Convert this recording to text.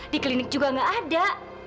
di klinik juga nggak ada